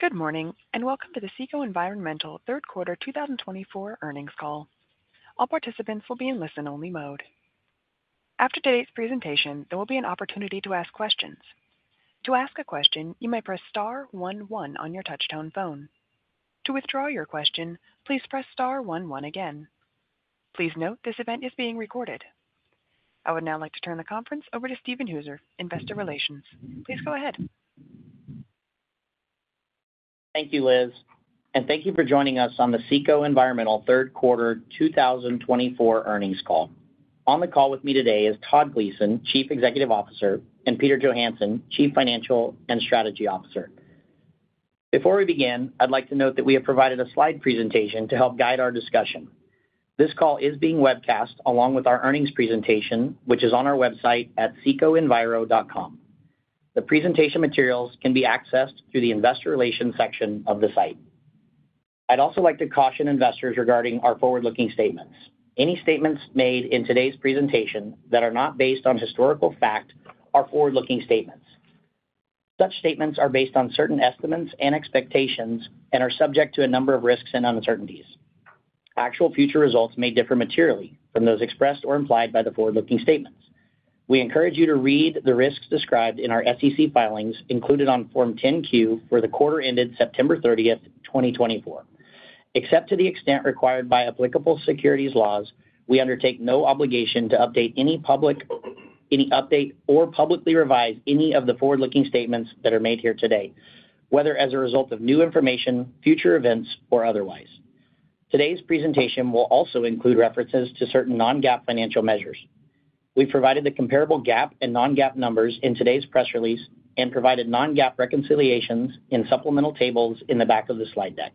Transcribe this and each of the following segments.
Good morning and welcome to the CECO Environmental third quarter 2024 earnings call. All participants will be in listen-only mode. After today's presentation, there will be an opportunity to ask questions. To ask a question, you may press star one one on your touch-tone phone. To withdraw your question, please press star one one again. Please note this event is being recorded. I would now like to turn the conference over to Steven Hooser, Investor Relations. Please go ahead. Thank you, Liz, and thank you for joining us on the CECO Environmental third quarter 2024 earnings call. On the call with me today is Todd Gleason, Chief Executive Officer, and Peter Johansson, Chief Financial and Strategy Officer. Before we begin, I'd like to note that we have provided a slide presentation to help guide our discussion. This call is being webcast along with our earnings presentation, which is on our website at cecoenviro.com. The presentation materials can be accessed through the Investor Relations section of the site. I'd also like to caution investors regarding our forward-looking statements. Any statements made in today's presentation that are not based on historical fact are forward-looking statements. Such statements are based on certain estimates and expectations and are subject to a number of risks and uncertainties. Actual future results may differ materially from those expressed or implied by the forward-looking statements. We encourage you to read the risks described in our SEC filings included on Form 10-Q for the quarter ended September 30th, 2024. Except to the extent required by applicable securities laws, we undertake no obligation to update or publicly revise any of the forward-looking statements that are made here today, whether as a result of new information, future events, or otherwise. Today's presentation will also include references to certain non-GAAP financial measures. We've provided the comparable GAAP and non-GAAP numbers in today's press release and provided non-GAAP reconciliations in supplemental tables in the back of the slide deck.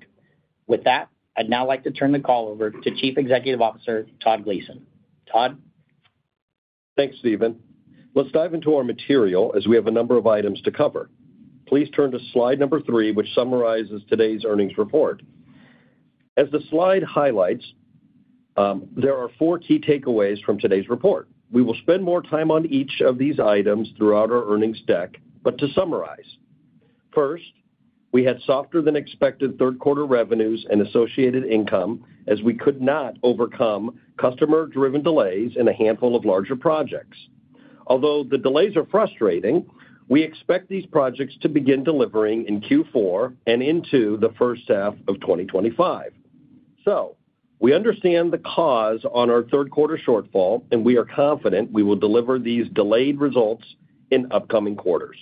With that, I'd now like to turn the call over to Chief Executive Officer Todd Gleason. Todd. Thanks, Steven. Let's dive into our material as we have a number of items to cover. Please turn to slide number three, which summarizes today's earnings report. As the slide highlights, there are four key takeaways from today's report. We will spend more time on each of these items throughout our earnings deck, but to summarize. First, we had softer than expected third quarter revenues and associated income as we could not overcome customer-driven delays in a handful of larger projects. Although the delays are frustrating, we expect these projects to begin delivering in Q4 and into the first half of 2025. So we understand the cause on our third quarter shortfall, and we are confident we will deliver these delayed results in upcoming quarters.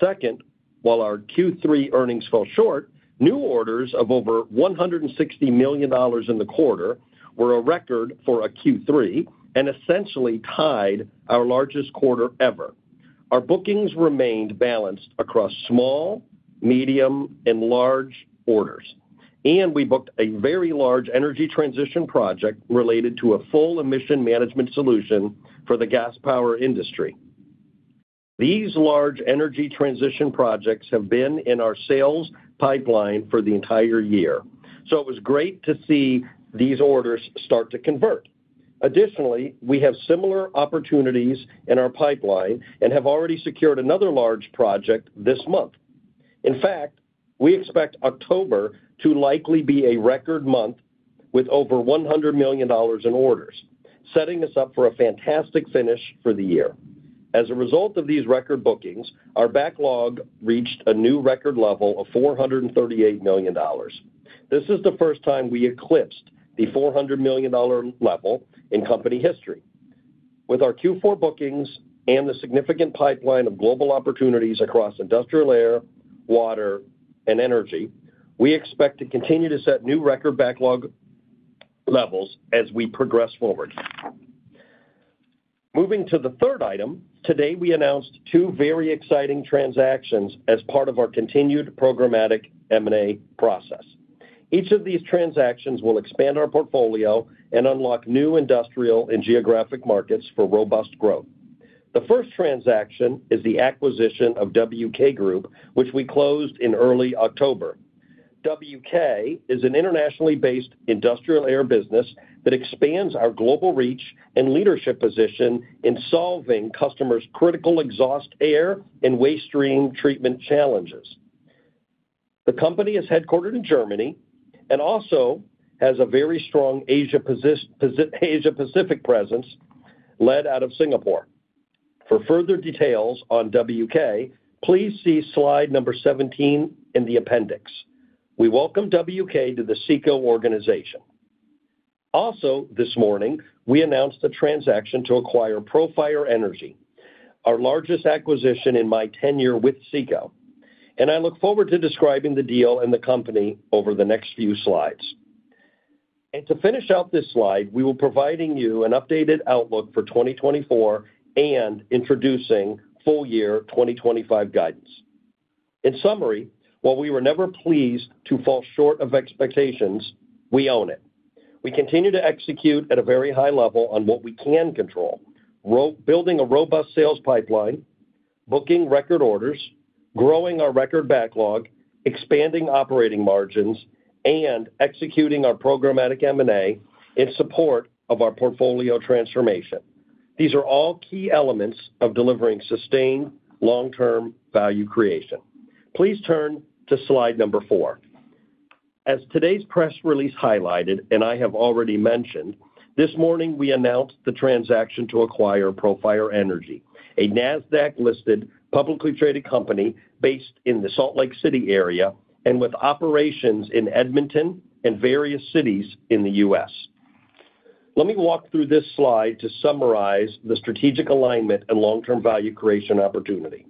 Second, while our Q3 earnings fell short, new orders of over $160 million in the quarter were a record for a Q3 and essentially tied our largest quarter ever. Our bookings remained balanced across small, medium, and large orders, and we booked a very large energy transition project related to a full emissions management solution for the gas power industry. These large energy transition projects have been in our sales pipeline for the entire year, so it was great to see these orders start to convert. Additionally, we have similar opportunities in our pipeline and have already secured another large project this month. In fact, we expect October to likely be a record month with over $100 million in orders, setting us up for a fantastic finish for the year. As a result of these record bookings, our backlog reached a new record level of $438 million. This is the first time we eclipsed the $400 million level in company history. With our Q4 bookings and the significant pipeline of global opportunities across industrial air, water, and energy, we expect to continue to set new record backlog levels as we progress forward. Moving to the third item, today we announced two very exciting transactions as part of our continued programmatic M&A process. Each of these transactions will expand our portfolio and unlock new industrial and geographic markets for robust growth. The first transaction is the acquisition of WK Group, which we closed in early October. WK is an internationally based industrial air business that expands our global reach and leadership position in solving customers' critical exhaust air and waste stream treatment challenges. The company is headquartered in Germany and also has a very strong Asia-Pacific presence led out of Singapore. For further details on WK, please see slide number 17 in the appendix. We welcome WK to the CECO organization. Also, this morning, we announced a transaction to acquire Profire Energy, our largest acquisition in my tenure with CECO, and I look forward to describing the deal and the company over the next few slides, and to finish out this slide, we will be providing you an updated outlook for 2024 and introducing full year 2025 guidance. In summary, while we were never pleased to fall short of expectations, we own it. We continue to execute at a very high level on what we can control, building a robust sales pipeline, booking record orders, growing our record backlog, expanding operating margins, and executing our programmatic M&A in support of our portfolio transformation. These are all key elements of delivering sustained long-term value creation. Please turn to slide number four. As today's press release highlighted, and I have already mentioned, this morning we announced the transaction to acquire Profire Energy, a NASDAQ-listed publicly traded company based in the Salt Lake City area and with operations in Edmonton and various cities in the US. Let me walk through this slide to summarize the strategic alignment and long-term value creation opportunity.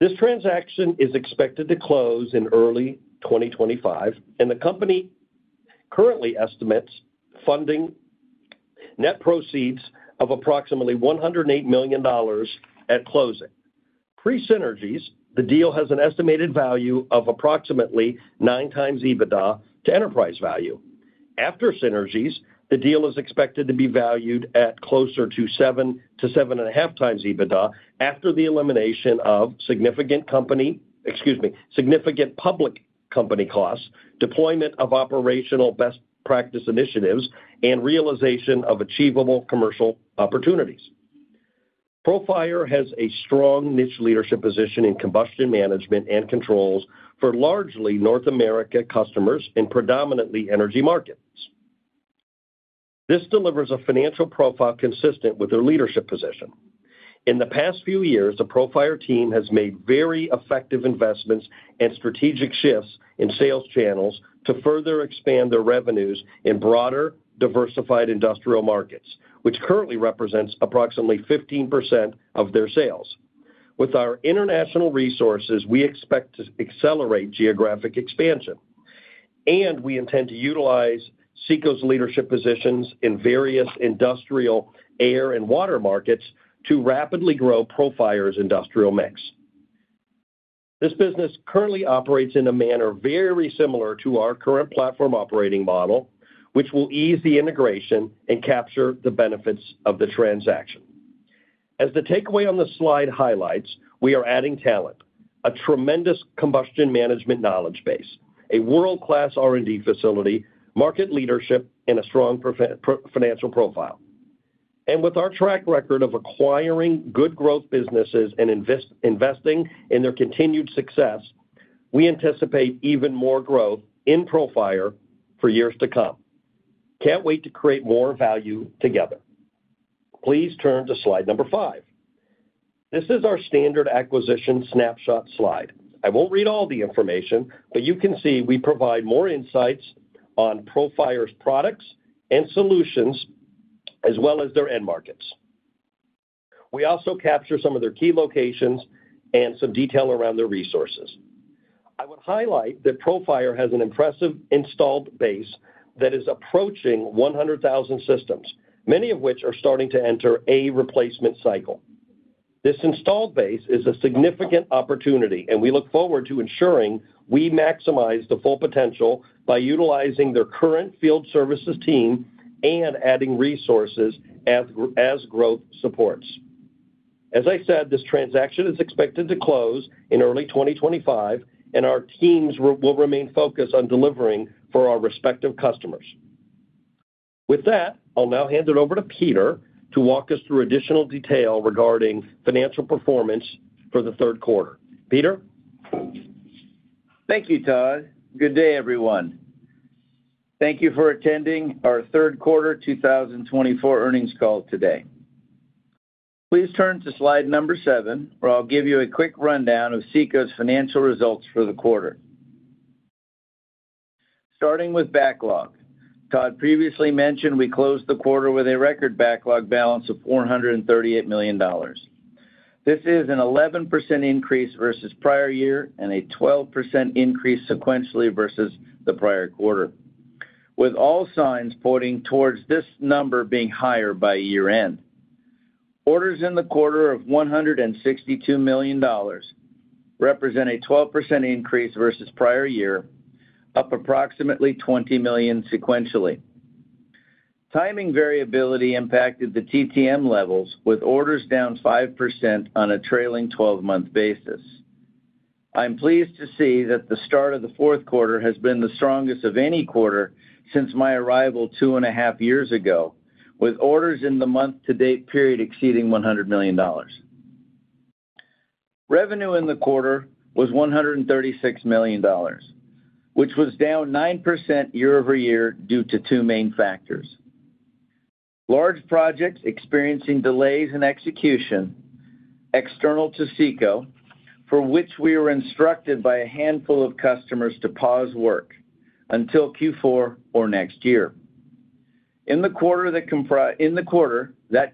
This transaction is expected to close in early 2025, and the company currently estimates funding net proceeds of approximately $108 million at closing. Pre-synergies, the deal has an estimated value of approximately nine times EBITDA to enterprise value. After synergies, the deal is expected to be valued at closer to seven to seven and a half times EBITDA after the elimination of significant company, excuse me, significant public company costs, deployment of operational best practice initiatives, and realization of achievable commercial opportunities. Profire has a strong niche leadership position in combustion management and controls for largely North America customers in predominantly energy markets. This delivers a financial profile consistent with their leadership position. In the past few years, the Profire team has made very effective investments and strategic shifts in sales channels to further expand their revenues in broader, diversified industrial markets, which currently represents approximately 15% of their sales. With our international resources, we expect to accelerate geographic expansion, and we intend to utilize CECO's leadership positions in various industrial air and water markets to rapidly grow Profire's industrial mix. This business currently operates in a manner very similar to our current platform operating model, which will ease the integration and capture the benefits of the transaction. As the takeaway on the slide highlights, we are adding talent, a tremendous combustion management knowledge base, a world-class R&D facility, market leadership, and a strong financial profile. And with our track record of acquiring good growth businesses and investing in their continued success, we anticipate even more growth in Profire for years to come. Can't wait to create more value together. Please turn to slide number five. This is our standard acquisition snapshot slide. I won't read all the information, but you can see we provide more insights on Profire's products and solutions as well as their end markets. We also capture some of their key locations and some detail around their resources. I would highlight that Profire has an impressive installed base that is approaching 100,000 systems, many of which are starting to enter a replacement cycle. This installed base is a significant opportunity, and we look forward to ensuring we maximize the full potential by utilizing their current field services team and adding resources as growth supports. As I said, this transaction is expected to close in early 2025, and our teams will remain focused on delivering for our respective customers. With that, I'll now hand it over to Peter to walk us through additional detail regarding financial performance for the third quarter. Peter. Thank you, Todd. Good day, everyone. Thank you for attending our third quarter 2024 earnings call today. Please turn to slide number seven, where I'll give you a quick rundown of CECO's financial results for the quarter. Starting with backlog, Todd previously mentioned we closed the quarter with a record backlog balance of $438 million. This is an 11% increase versus prior year and a 12% increase sequentially versus the prior quarter, with all signs pointing towards this number being higher by year-end. Orders in the quarter of $162 million represent a 12% increase versus prior year, up approximately $20 million sequentially. Timing variability impacted the TTM levels, with orders down 5% on a trailing 12-month basis. I'm pleased to see that the start of the fourth quarter has been the strongest of any quarter since my arrival two and a half years ago, with orders in the month-to-date period exceeding $100 million. Revenue in the quarter was $136 million, which was down 9% year-over-year due to two main factors: large projects experiencing delays in execution external to CECO, for which we were instructed by a handful of customers to pause work until Q4 or next year, in the quarter that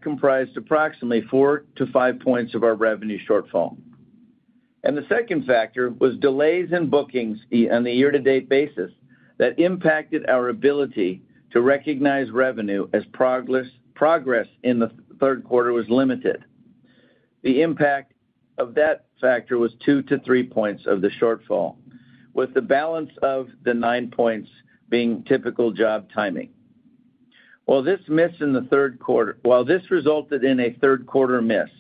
comprised approximately four-to-five points of our revenue shortfall, and the second factor was delays in bookings on the year-to-date basis that impacted our ability to recognize revenue as progress in the third quarter was limited. The impact of that factor was two-to-three points of the shortfall, with the balance of the nine points being typical job timing. While this missed in the third quarter, while this resulted in a third-quarter miss,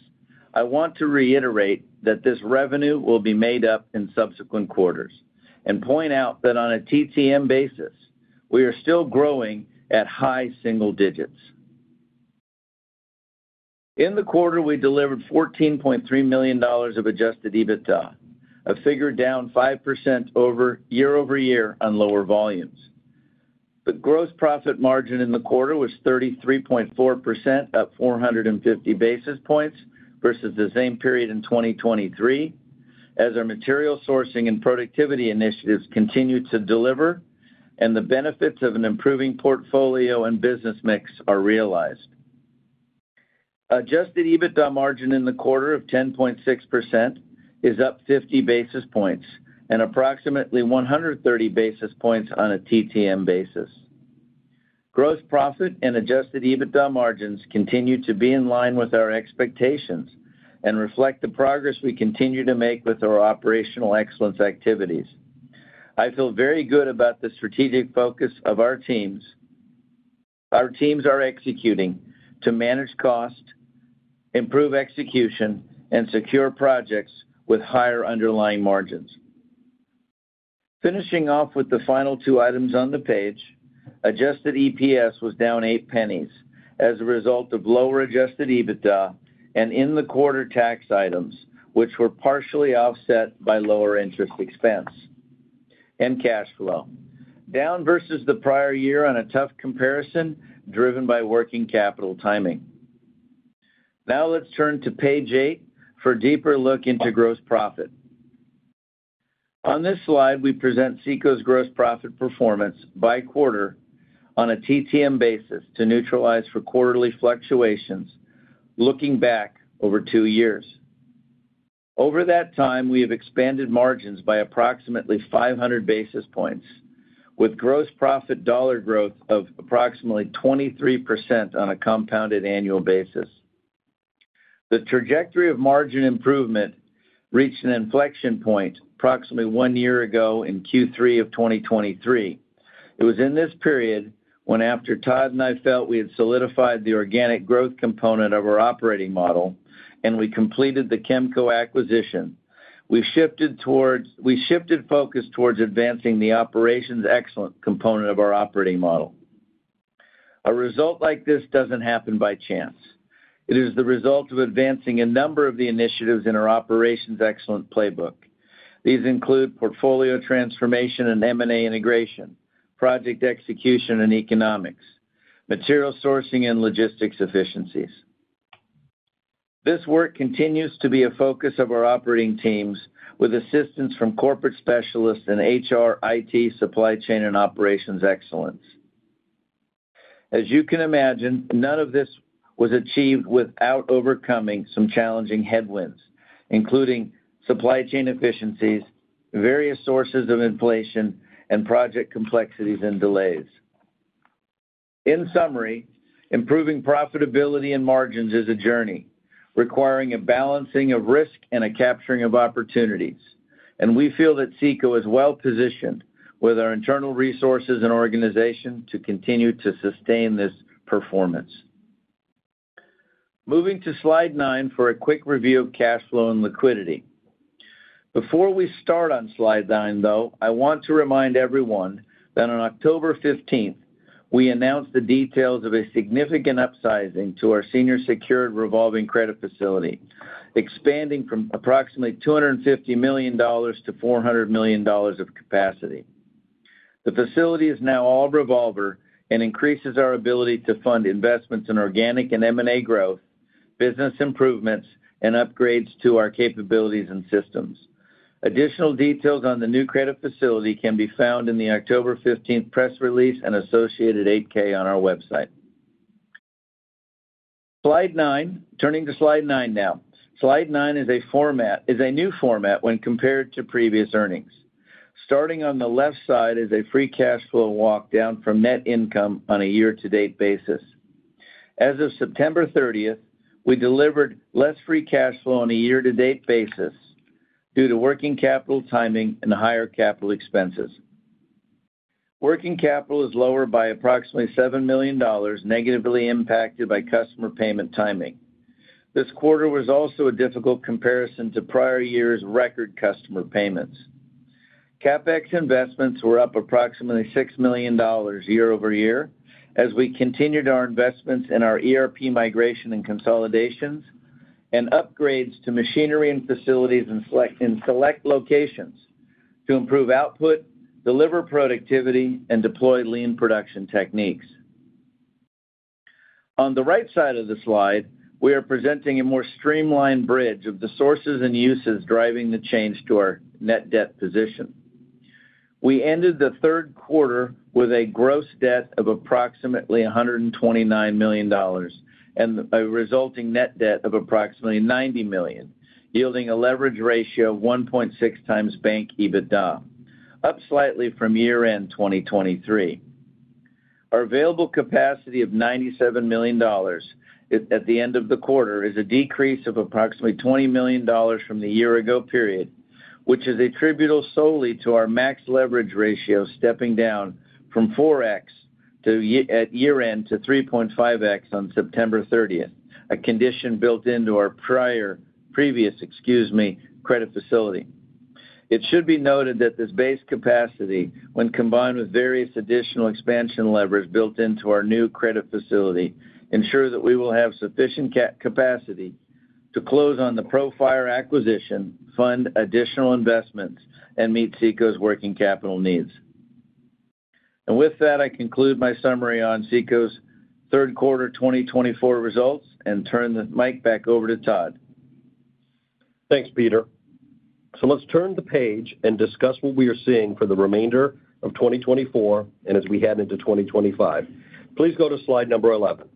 I want to reiterate that this revenue will be made up in subsequent quarters and point out that on a TTM basis, we are still growing at high single digits. In the quarter, we delivered $14.3 million of adjusted EBITDA, a figure down 5% year-over-year on lower volumes. The gross profit margin in the quarter was 33.4%, up 450 basis points versus the same period in 2023, as our material sourcing and productivity initiatives continue to deliver and the benefits of an improving portfolio and business mix are realized. Adjusted EBITDA margin in the quarter of 10.6% is up 50 basis points and approximately 130 basis points on a TTM basis. Gross profit and adjusted EBITDA margins continue to be in line with our expectations and reflect the progress we continue to make with our operational excellence activities. I feel very good about the strategic focus of our teams are executing to manage cost, improve execution, and secure projects with higher underlying margins. Finishing off with the final two items on the page, adjusted EPS was down $0.08 as a result of lower adjusted EBITDA and in-the-quarter tax items, which were partially offset by lower interest expense and cash flow, down versus the prior year on a tough comparison driven by working capital timing. Now let's turn to page eight for a deeper look into gross profit. On this slide, we present CECO's gross profit performance by quarter on a TTM basis to neutralize for quarterly fluctuations looking back over two years. Over that time, we have expanded margins by approximately 500 basis points, with gross profit dollar growth of approximately 23% on a compounded annual basis. The trajectory of margin improvement reached an inflection point approximately one year ago in Q3 of 2023. It was in this period when, after Todd and I felt, we had solidified the organic growth component of our operating model and we completed the Kemco acquisition. We shifted focus towards advancing the operations excellence component of our operating model. A result like this doesn't happen by chance. It is the result of advancing a number of the initiatives in our operations excellence playbook. These include portfolio transformation and M&A integration, project execution and economics, material sourcing and logistics efficiencies. This work continues to be a focus of our operating teams with assistance from corporate specialists in HR, IT, supply chain, and operations excellence. As you can imagine, none of this was achieved without overcoming some challenging headwinds, including supply chain efficiencies, various sources of inflation, and project complexities and delays. In summary, improving profitability and margins is a journey requiring a balancing of risk and a capturing of opportunities. And we feel that CECO is well positioned with our internal resources and organization to continue to sustain this performance. Moving to slide nine for a quick review of cash flow and liquidity. Before we start on slide nine, though, I want to remind everyone that on October 15th, we announced the details of a significant upsizing to our senior secured revolving credit facility, expanding from approximately $250 million to $400 million of capacity. The facility is now all revolver and increases our ability to fund investments in organic and M&A growth, business improvements, and upgrades to our capabilities and systems. Additional details on the new credit facility can be found in the October 15th press release and associated 8-K on our website. Slide nine, turning to slide nine now. Slide nine is a new format when compared to previous earnings. Starting on the left side is a free cash flow walkdown from net income on a year-to-date basis. As of September 30th, we delivered less free cash flow on a year-to-date basis due to working capital timing and higher capital expenses. Working capital is lower by approximately $7 million negatively impacted by customer payment timing. This quarter was also a difficult comparison to prior year's record customer payments. CapEx investments were up approximately $6 million year-over-year as we continued our investments in our ERP migration and consolidations and upgrades to machinery and facilities in select locations to improve output, deliver productivity, and deploy lean production techniques. On the right side of the slide, we are presenting a more streamlined bridge of the sources and uses driving the change to our net debt position. We ended the third quarter with a gross debt of approximately $129 million and a resulting net debt of approximately $90 million, yielding a leverage ratio of 1.6 times Bank EBITDA, up slightly from year-end 2023. Our available capacity of $97 million at the end of the quarter is a decrease of approximately $20 million from the year-ago period, which is attributable solely to our max leverage ratio stepping down from 4x at year-end to 3.5x on September 30th, a condition built into our previous credit facility. It should be noted that this base capacity, when combined with various additional expansion levers built into our new credit facility, ensures that we will have sufficient capacity to close on the Profire acquisition, fund additional investments, and meet CECO's working capital needs, and with that, I conclude my summary on CECO's third quarter 2024 results and turn the mic back over to Todd. Thanks, Peter. So let's turn the page and discuss what we are seeing for the remainder of 2024 and as we head into 2025. Please go to slide number 11.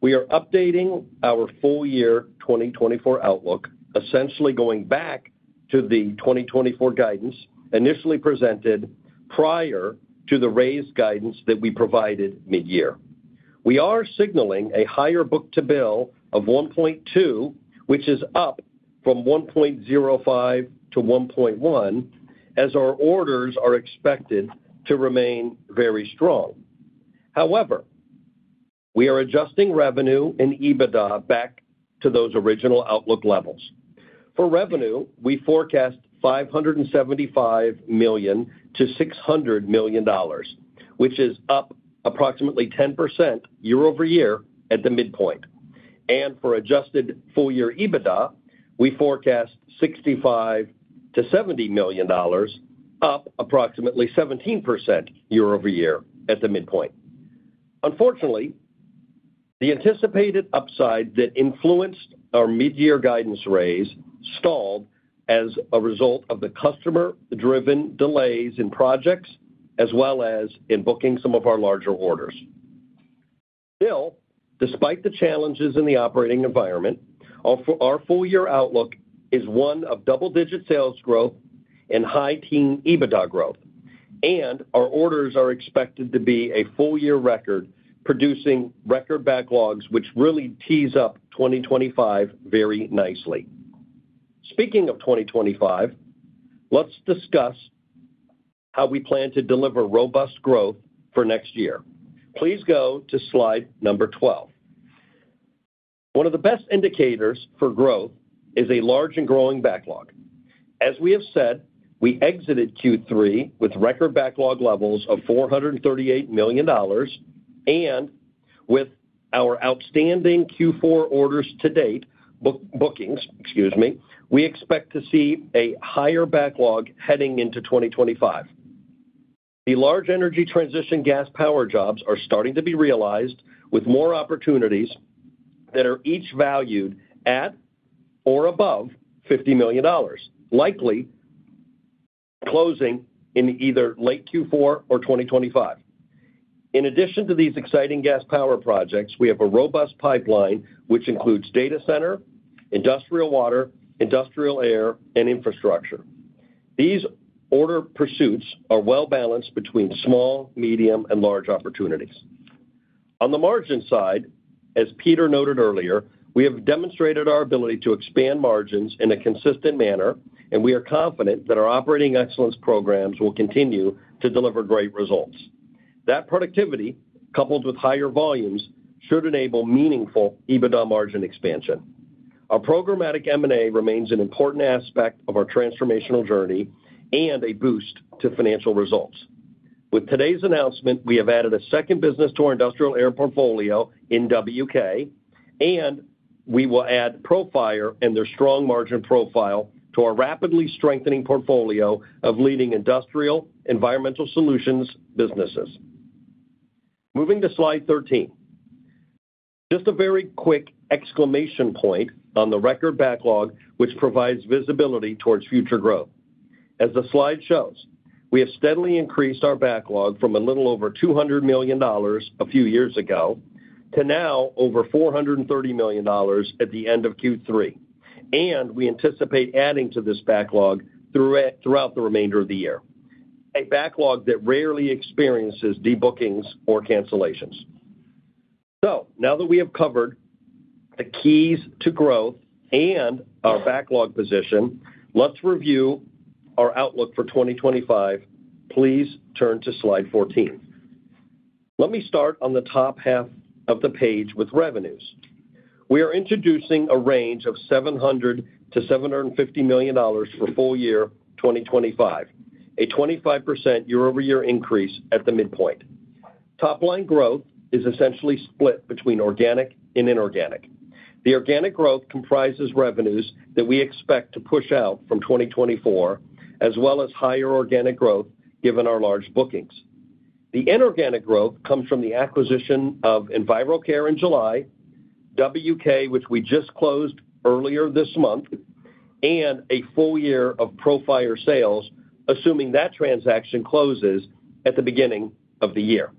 We are updating our full year 2024 outlook, essentially going back to the 2024 guidance initially presented prior to the raised guidance that we provided mid-year. We are signaling a higher book-to-bill of 1.2, which is up from 1.05-1.1, as our orders are expected to remain very strong. However, we are adjusting revenue and EBITDA back to those original outlook levels. For revenue, we forecast $575 million-$600 million, which is up approximately 10% year-over-year at the midpoint. And for adjusted full year EBITDA, we forecast $65-$70 million, up approximately 17% year-over-year at the midpoint. Unfortunately, the anticipated upside that influenced our mid-year guidance raise stalled as a result of the customer-driven delays in projects, as well as in booking some of our larger orders. Still, despite the challenges in the operating environment, our full year outlook is one of double-digit sales growth and high-teens EBITDA growth, and our orders are expected to be a full year record, producing record backlogs, which really tees up 2025 very nicely. Speaking of 2025, let's discuss how we plan to deliver robust growth for next year. Please go to slide number 12. One of the best indicators for growth is a large and growing backlog. As we have said, we exited Q3 with record backlog levels of $438 million, and with our outstanding Q4 orders to date, bookings, excuse me, we expect to see a higher backlog heading into 2025. The large energy transition gas power jobs are starting to be realized with more opportunities that are each valued at or above $50 million, likely closing in either late Q4 or 2025. In addition to these exciting gas power projects, we have a robust pipeline, which includes data center, industrial water, industrial air, and infrastructure. These order pursuits are well balanced between small, medium, and large opportunities. On the margin side, as Peter noted earlier, we have demonstrated our ability to expand margins in a consistent manner, and we are confident that our operating excellence programs will continue to deliver great results. That productivity, coupled with higher volumes, should enable meaningful EBITDA margin expansion. Our programmatic M&A remains an important aspect of our transformational journey and a boost to financial results. With today's announcement, we have added a second business to our industrial air portfolio in WK, and we will add Profire and their strong margin profile to our rapidly strengthening portfolio of leading industrial environmental solutions businesses. Moving to slide 13. Just a very quick exclamation point on the record backlog, which provides visibility towards future growth. As the slide shows, we have steadily increased our backlog from a little over $200 million a few years ago to now over $430 million at the end of Q3, and we anticipate adding to this backlog throughout the remainder of the year, a backlog that rarely experiences debookings or cancellations, so now that we have covered the keys to growth and our backlog position, let's review our outlook for 2025. Please turn to slide 14. Let me start on the top half of the page with revenues. We are introducing a range of $700-$750 million for full year 2025, a 25% year-over-year increase at the midpoint. Top-line growth is essentially split between organic and inorganic. The organic growth comprises revenues that we expect to push out from 2024, as well as higher organic growth given our large bookings. The inorganic growth comes from the acquisition of EnviroCare in July, WK, which we just closed earlier this month, and a full year of Profire sales, assuming that transaction closes at the beginning of the year.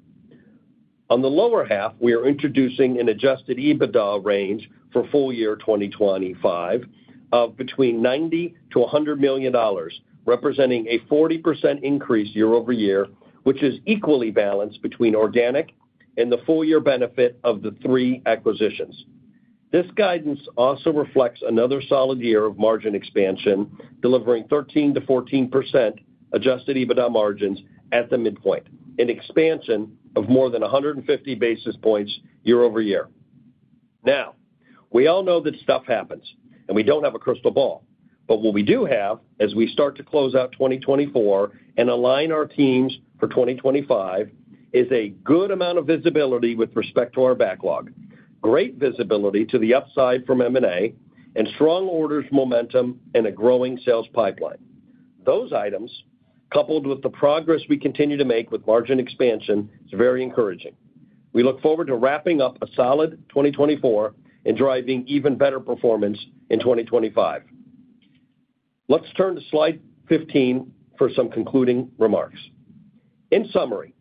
On the lower half, we are introducing an Adjusted EBITDA range for full year 2025 of between $90-$100 million, representing a 40% increase year-over-year, which is equally balanced between organic and the full year benefit of the three acquisitions. This guidance also reflects another solid year of margin expansion, delivering 13%-14% Adjusted EBITDA margins at the midpoint, an expansion of more than 150 basis points year-over-year. Now, we all know that stuff happens, and we don't have a crystal ball. But what we do have as we start to close out 2024 and align our teams for 2025 is a good amount of visibility with respect to our backlog, great visibility to the upside from M&A, and strong orders momentum and a growing sales pipeline. Those items, coupled with the progress we continue to make with margin expansion, is very encouraging. We look forward to wrapping up a solid 2024 and driving even better performance in 2025. Let's turn to slide 15 for some concluding remarks. In summary,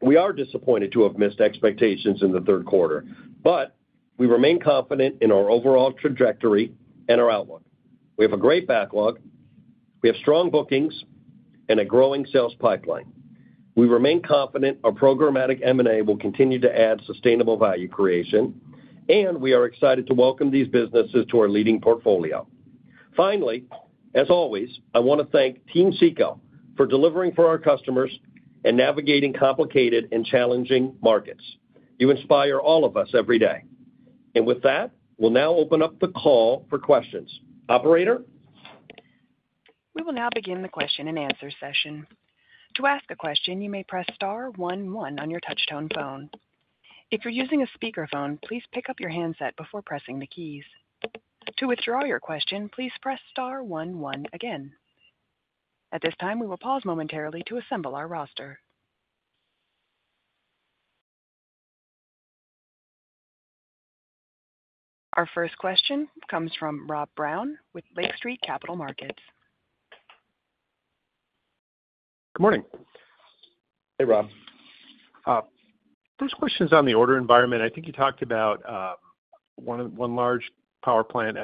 we are disappointed to have missed expectations in the third quarter, but we remain confident in our overall trajectory and our outlook. We have a great backlog. We have strong bookings and a growing sales pipeline. We remain confident our programmatic M&A will continue to add sustainable value creation, and we are excited to welcome these businesses to our leading portfolio. Finally, as always, I want to thank Team CECO for delivering for our customers and navigating complicated and challenging markets. You inspire all of us every day. And with that, we'll now open up the call for questions. Operator. We will now begin the question and answer session. To ask a question, you may press star 11 on your touch-tone phone. If you're using a speakerphone, please pick up your handset before pressing the keys. To withdraw your question, please press star 11 again. At this time, we will pause momentarily to assemble our roster. Our first question comes from Rob Brown with Lake Street Capital Markets. Good morning. Hey, Rob. First question is on the order environment. I think you talked about one large power plant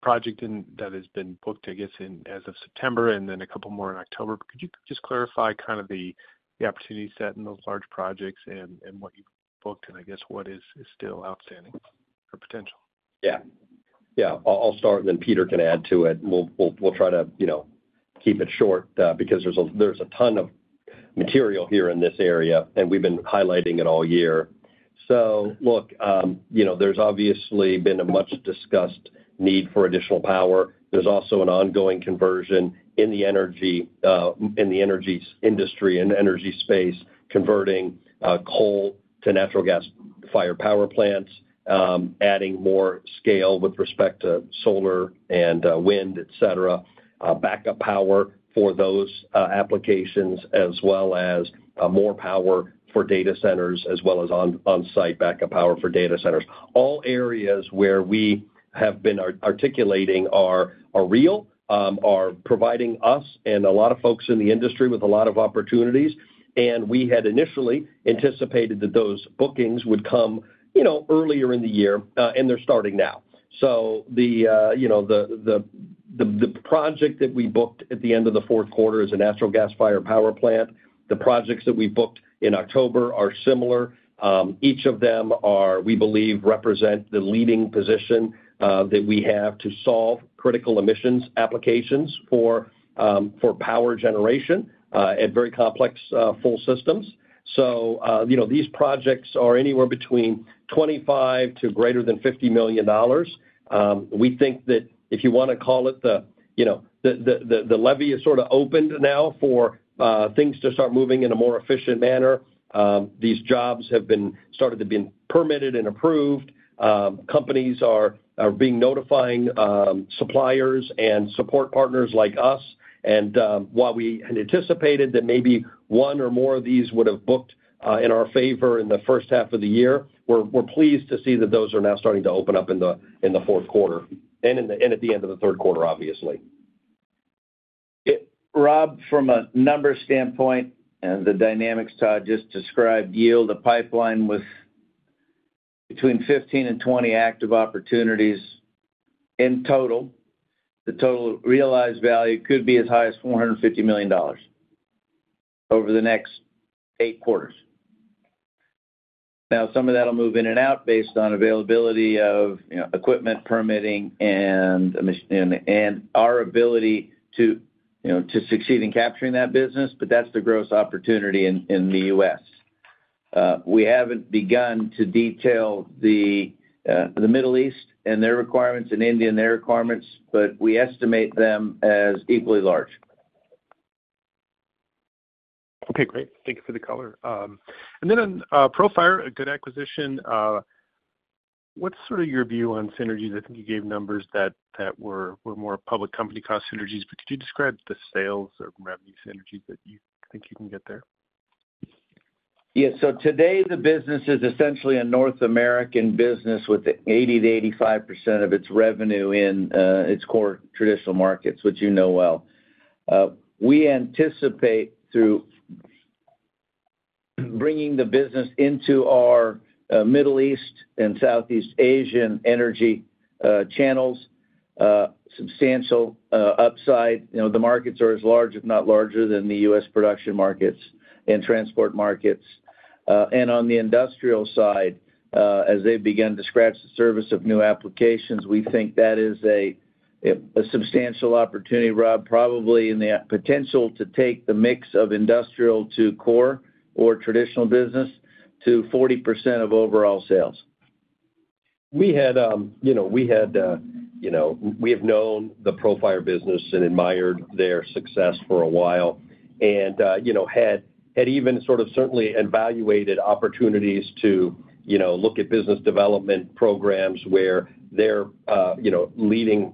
project that has been booked, I guess, as of September, and then a couple more in October. Could you just clarify kind of the opportunity set in those large projects and what you've booked, and I guess what is still outstanding or potential? Yeah. Yeah. I'll start, and then Peter can add to it. We'll try to keep it short because there's a ton of material here in this area, and we've been highlighting it all year. So look, there's obviously been a much-discussed need for additional power. There's also an ongoing conversion in the energy industry and energy space, converting coal to natural gas-fired power plants, adding more scale with respect to solar and wind, et cetera, backup power for those applications, as well as more power for data centers, as well as on-site backup power for data centers. All areas where we have been articulating are real, are providing us and a lot of folks in the industry with a lot of opportunities. And we had initially anticipated that those bookings would come earlier in the year, and they're starting now. So the project that we booked at the end of the fourth quarter is a natural gas-fired power plant. The projects that we booked in October are similar. Each of them are, we believe, represent the leading position that we have to solve critical emissions applications for power generation at very complex fuel systems. So these projects are anywhere between $25 to greater than $50 million. We think that if you want to call it the levee is sort of opened now for things to start moving in a more efficient manner. These jobs have started to be permitted and approved. Companies are being notifying suppliers and support partners like us. And while we had anticipated that maybe one or more of these would have booked in our favor in the first half of the year, we're pleased to see that those are now starting to open up in the fourth quarter and at the end of the third quarter, obviously. Rob, from a numbers standpoint and the dynamics Todd just described, yield a pipeline with between 15 and 20 active opportunities in total. The total realized value could be as high as $450 million over the next eight quarters. Now, some of that will move in and out based on availability of equipment permitting and our ability to succeed in capturing that business, but that's the gross opportunity in the U.S. We haven't begun to detail the Middle East and their requirements and India and their requirements, but we estimate them as equally large. Okay. Great. Thank you for the color. And then on Profire, a good acquisition. What's sort of your view on synergies? I think you gave numbers that were more public company cost synergies, but could you describe the sales or revenue synergies that you think you can get there? Yeah. So today, the business is essentially a North American business with 80%-85% of its revenue in its core traditional markets, which you know well. We anticipate through bringing the business into our Middle East and Southeast Asian energy channels, substantial upside. The markets are as large, if not larger, than the U.S. production markets and transport markets. And on the industrial side, as they begin to scratch the surface of new applications, we think that is a substantial opportunity, Rob, probably in the potential to take the mix of industrial to core or traditional business to 40% of overall sales. We have known the Profire business and admired their success for a while and had even sort of certainly evaluated opportunities to look at business development programs where their leading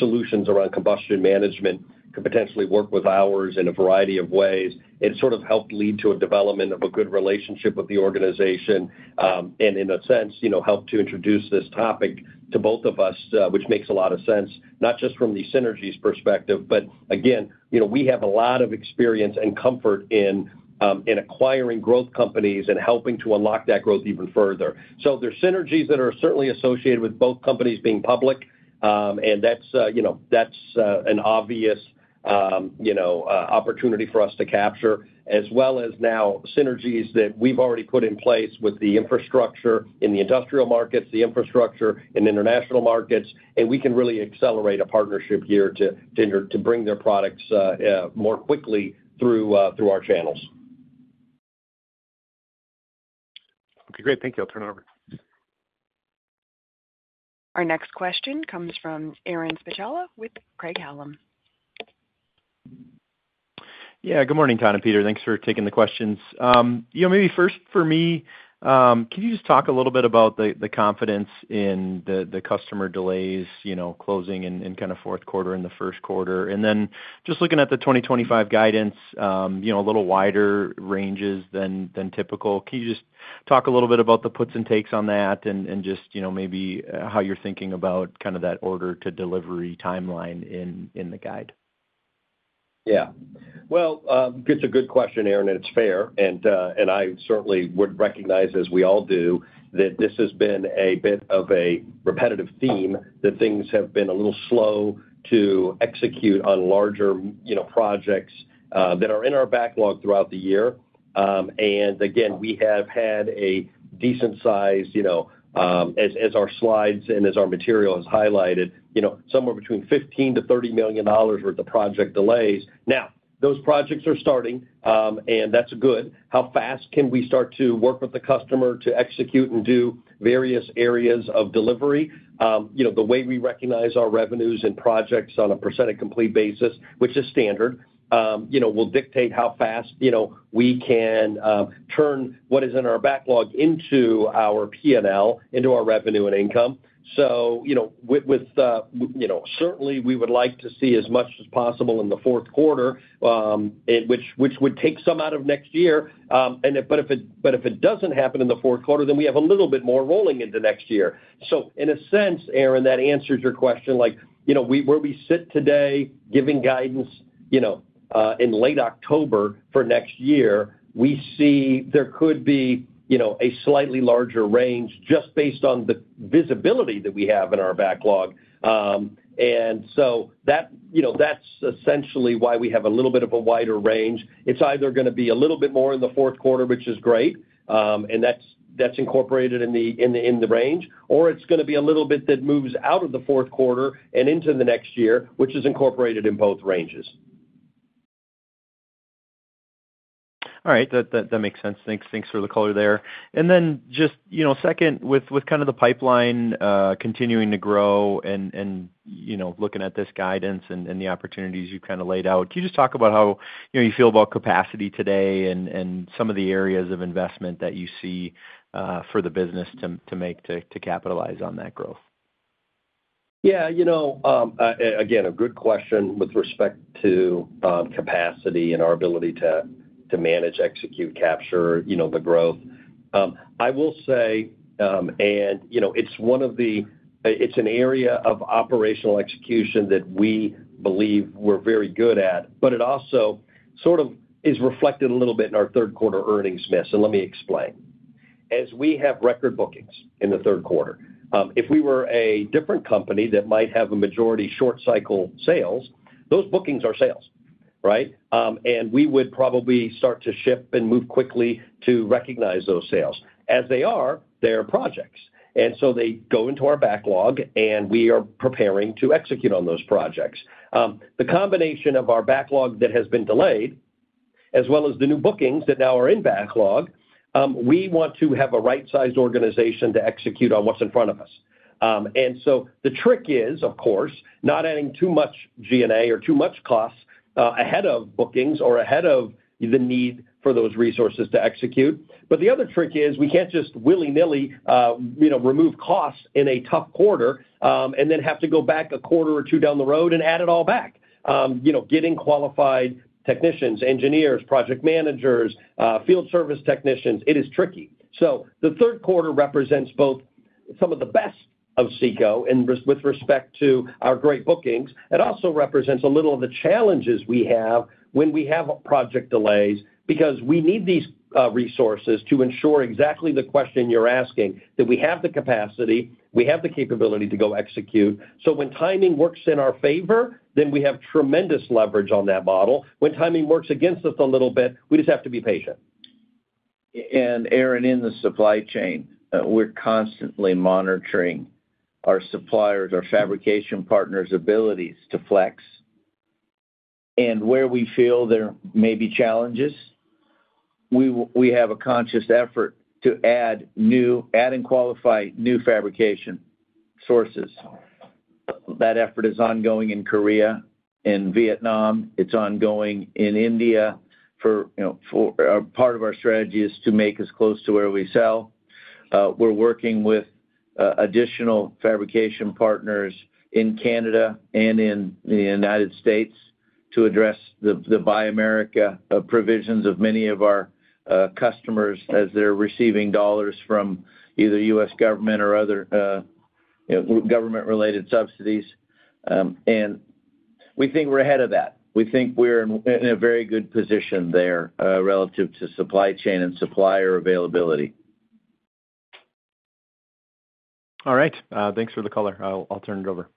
solutions around combustion management could potentially work with ours in a variety of ways. It sort of helped lead to a development of a good relationship with the organization and, in a sense, helped to introduce this topic to both of us, which makes a lot of sense, not just from the synergies perspective, but again, we have a lot of experience and comfort in acquiring growth companies and helping to unlock that growth even further. There are synergies that are certainly associated with both companies being public, and that's an obvious opportunity for us to capture, as well as now synergies that we've already put in place with the infrastructure in the industrial markets, the infrastructure in international markets, and we can really accelerate a partnership here to bring their products more quickly through our channels. Okay. Great. Thank you. I'll turn it over. Our next question comes from Aaron Spychalla with Craig-Hallum. Yeah. Good morning, Todd and Peter. Thanks for taking the questions. Maybe first for me, can you just talk a little bit about the confidence in the customer delays closing in kind of fourth quarter and the first quarter? And then just looking at the 2025 guidance, a little wider ranges than typical. Can you just talk a little bit about the puts and takes on that and just maybe how you're thinking about kind of that order to delivery timeline in the guide? Yeah. Well, it's a good question, Aaron, and it's fair. I certainly would recognize, as we all do, that this has been a bit of a repetitive theme, that things have been a little slow to execute on larger projects that are in our backlog throughout the year. Again, we have had a decent size, as our slides and as our material has highlighted, somewhere between $15 million-$30 million worth of project delays. Now, those projects are starting, and that's good. How fast can we start to work with the customer to execute and do various areas of delivery? The way we recognize our revenues and projects on a percentage-complete basis, which is standard, will dictate how fast we can turn what is in our backlog into our P&L, into our revenue and income. So certainly, we would like to see as much as possible in the fourth quarter, which would take some out of next year. But if it doesn't happen in the fourth quarter, then we have a little bit more rolling into next year. So in a sense, Aaron, that answers your question. Where we sit today, giving guidance in late October for next year, we see there could be a slightly larger range just based on the visibility that we have in our backlog. And so that's essentially why we have a little bit of a wider range. It's either going to be a little bit more in the fourth quarter, which is great, and that's incorporated in the range, or it's going to be a little bit that moves out of the fourth quarter and into the next year, which is incorporated in both ranges. All right. That makes sense. Thanks for the color there. And then just second, with kind of the pipeline continuing to grow and looking at this guidance and the opportunities you've kind of laid out, can you just talk about how you feel about capacity today and some of the areas of investment that you see for the business to make to capitalize on that growth? Yeah. Again, a good question with respect to capacity and our ability to manage, execute, capture the growth. I will say, and it's an area of operational execution that we believe we're very good at, but it also sort of is reflected a little bit in our third quarter earnings miss. And let me explain. As we have record bookings in the third quarter, if we were a different company that might have a majority short-cycle sales, those bookings are sales, right? And we would probably start to shift and move quickly to recognize those sales. As they are, they are projects. And so they go into our backlog, and we are preparing to execute on those projects. The combination of our backlog that has been delayed, as well as the new bookings that now are in backlog, we want to have a right-sized organization to execute on what's in front of us. And so the trick is, of course, not adding too much G&A or too much costs ahead of bookings or ahead of the need for those resources to execute. But the other trick is we can't just willy-nilly remove costs in a tough quarter and then have to go back a quarter or two down the road and add it all back. Getting qualified technicians, engineers, project managers, field service technicians, it is tricky. So the third quarter represents both some of the best of CECO with respect to our great bookings. It also represents a little of the challenges we have when we have project delays because we need these resources to ensure exactly the question you're asking, that we have the capacity, we have the capability to go execute. So when timing works in our favor, then we have tremendous leverage on that model. When timing works against us a little bit, we just have to be patient. Aaron, in the supply chain, we're constantly monitoring our suppliers, our fabrication partners' abilities to flex, and where we feel there may be challenges, we have a conscious effort to add and qualify new fabrication sources. That effort is ongoing in Korea, in Vietnam. It's ongoing in India. Part of our strategy is to make as close to where we sell. We're working with additional fabrication partners in Canada and in the United States to address the Buy America provisions of many of our customers as they're receiving dollars from either U.S. government or other government-related subsidies, and we think we're ahead of that. We think we're in a very good position there relative to supply chain and supplier availability. All right. Thanks for the color. I'll turn it over.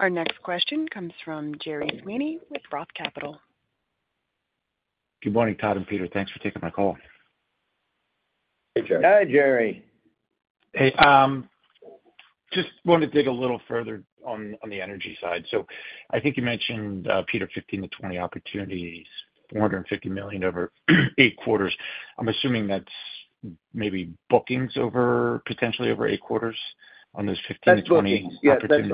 Our next question comes from Gerry Sweeney with Roth Capital. Good morning, Todd and Peter. Thanks for taking my call. Hey, Gerry. Hi, Gerry. Hey. Just wanted to dig a little further on the energy side. So I think you mentioned, Peter, 15 to 20 opportunities, $450 million over eight quarters. I'm assuming that's maybe bookings potentially over eight quarters on those 15 to 20 opportunities.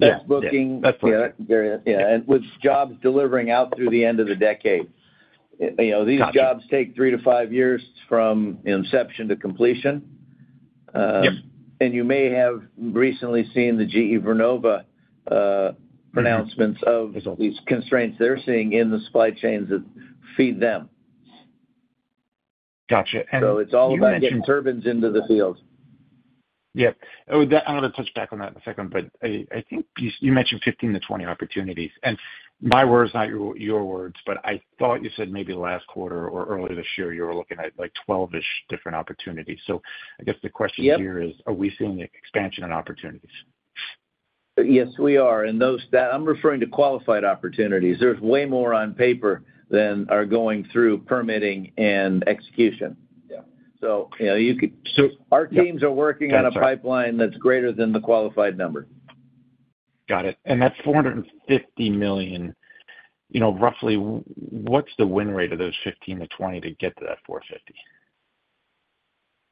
That's bookings. That's bookings. Yeah. Yeah. And with jobs delivering out through the end of the decade, these jobs take three to five years from inception to completion. And you may have recently seen the GE Vernova announcements of these constraints they're seeing in the supply chains that feed them. Gotcha. So it's all about getting turbines into the field. Yep. I'm going to touch back on that in a second, but I think you mentioned 15-20 opportunities. And my words are not your words, but I thought you said maybe last quarter or earlier this year, you were looking at like 12-ish different opportunities. So I guess the question here is, are we seeing expansion in opportunities? Yes, we are. And I'm referring to qualified opportunities. There's way more on paper than are going through permitting and execution. So our teams are working on a pipeline that's greater than the qualified number. Got it. And that's $450 million. Roughly, what's the win rate of those 15-20 to get to that $450?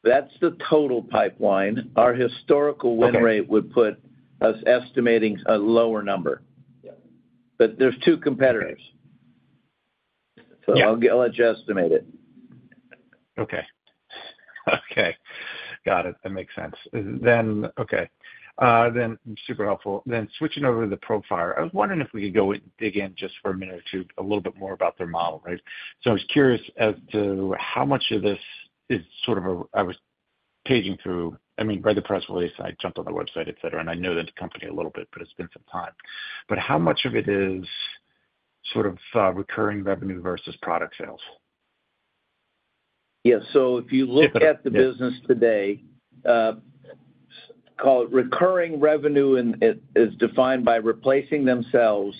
That's the total pipeline. Our historical win rate would put us estimating a lower number, but there's two competitors, so I'll let you estimate it. Okay. Okay. Got it. That makes sense. Okay. Then super helpful. Then switching over to the Profire, I was wondering if we could go and dig in just for a minute or two a little bit more about their model, right? So I was curious as to how much of this is sort of, I was paging through, I mean, read the press release, and I jumped on the website, etc., and I know the company a little bit, but it's been some time. But how much of it is sort of recurring revenue versus product sales? Yeah. So if you look at the business today, recurring revenue is defined by replacing themselves,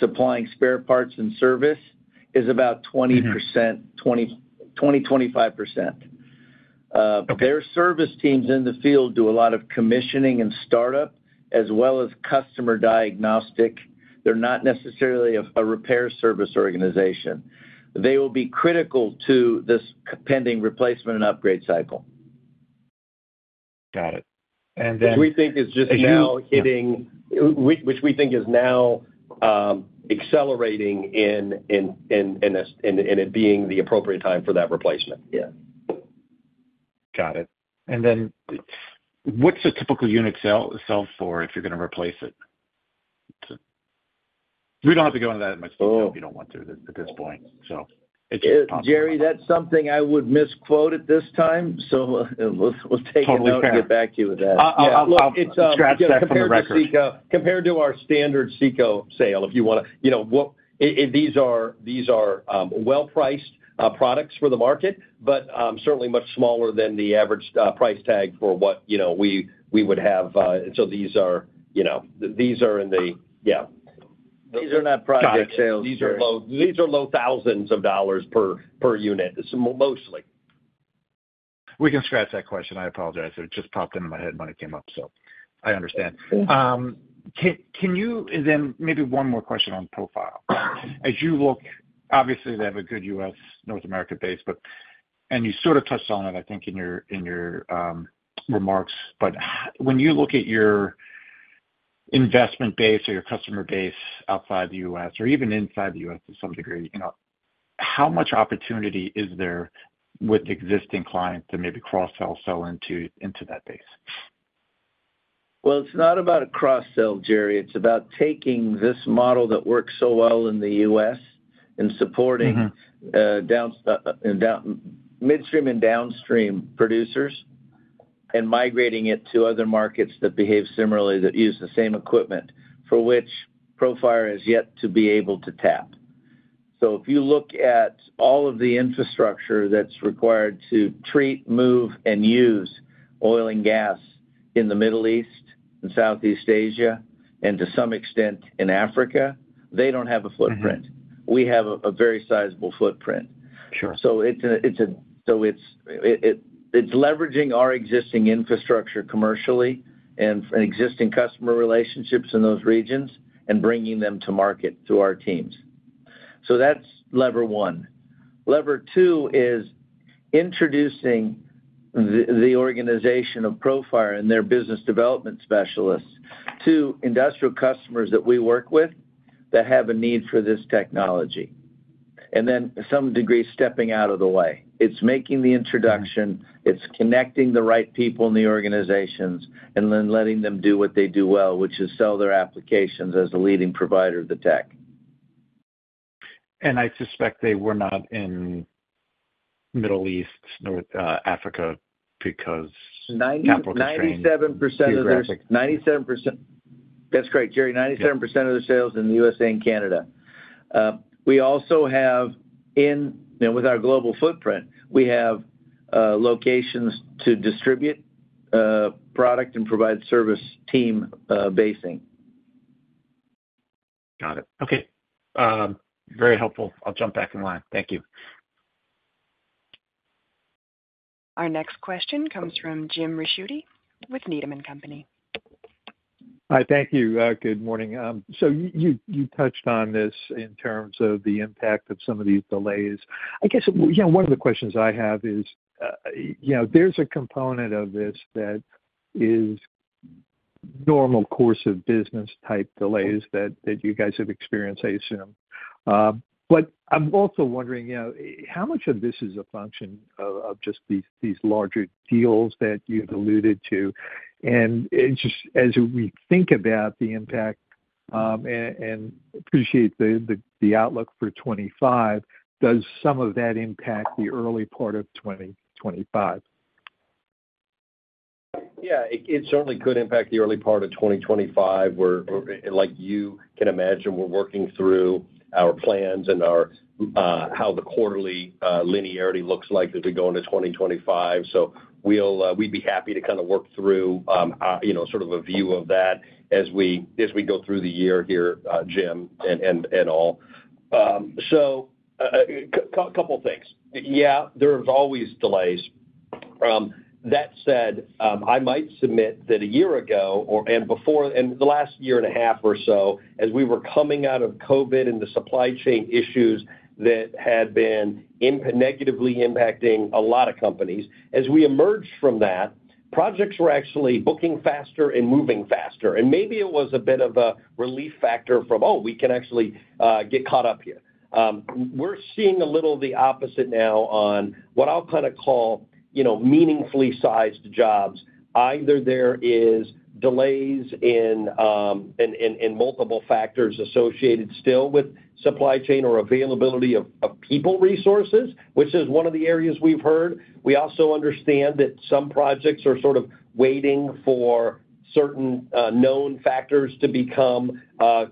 supplying spare parts, and service is about 20%-25%. Their service teams in the field do a lot of commissioning and startup as well as customer diagnostic. They're not necessarily a repair service organization. They will be critical to this pending replacement and upgrade cycle. Got it. And then. Which we think is just now hitting, which we think is now accelerating in it being the appropriate time for that replacement. Yeah. Got it. And then what's a typical unit sell for if you're going to replace it? We don't have to go into that much detail if you don't want to at this point, so. Gerry, that's something I would misquote at this time, so we'll take it back. Totally fair. Get back to you with that. I'll scratch that from the record. Compared to our standard CECO sale, if you want to, these are well-priced products for the market, but certainly much smaller than the average price tag for what we would have. And so these are in the. These are not product sales. These are low thousands of dollars per unit, mostly. We can scratch that question. I apologize. It just popped into my head when it came up, so I understand. Can you then maybe one more question on Profire? As you look, obviously, they have a good U.S., North America base, and you sort of touched on it, I think, in your remarks. But when you look at your investment base or your customer base outside the U.S., or even inside the U.S. to some degree, how much opportunity is there with existing clients to maybe cross-sell, sell into that base? It's not about a cross-sell, Gerry. It's about taking this model that works so well in the U.S. and supporting midstream and downstream producers and migrating it to other markets that behave similarly, that use the same equipment, for which Profire has yet to be able to tap. So if you look at all of the infrastructure that's required to treat, move, and use oil and gas in the Middle East and Southeast Asia, and to some extent in Africa, they don't have a footprint. We have a very sizable footprint. So it's leveraging our existing infrastructure commercially and existing customer relationships in those regions and bringing them to market through our teams. So that's lever one. Lever two is introducing the organization of Profire and their business development specialists to industrial customers that we work with that have a need for this technology. And then, to some degree, stepping out of the way. It's making the introduction. It's connecting the right people in the organizations and then letting them do what they do well, which is sell their applications as the leading provider of the tech. I suspect they were not in Middle East, North Africa, because applications. That's great, Gerry. 97% of their sales in the USA and Canada. We also have, with our global footprint, we have locations to distribute product and provide service team basing. Got it. Okay. Very helpful. I'll jump back in line. Thank you. Our next question comes from Jim Ricchiuti with Needham & Company. Hi. Thank you. Good morning. So you touched on this in terms of the impact of some of these delays. I guess one of the questions I have is there's a component of this that is normal course of business type delays that you guys have experienced, I assume. But I'm also wondering, how much of this is a function of just these larger deals that you've alluded to? And just as we think about the impact and appreciate the outlook for 2025, does some of that impact the early part of 2025? Yeah. It certainly could impact the early part of 2025. Like you can imagine, we're working through our plans and how the quarterly linearity looks like as we go into 2025. So we'd be happy to kind of work through sort of a view of that as we go through the year here, Jim and all. So a couple of things. Yeah, there's always delays. That said, I might submit that a year ago and the last year and a half or so, as we were coming out of COVID and the supply chain issues that had been negatively impacting a lot of companies, as we emerged from that, projects were actually booking faster and moving faster. And maybe it was a bit of a relief factor from, "Oh, we can actually get caught up here." We're seeing a little of the opposite now on what I'll kind of call meaningfully sized jobs. Either there are delays in multiple factors associated still with supply chain or availability of people resources, which is one of the areas we've heard. We also understand that some projects are sort of waiting for certain known factors to become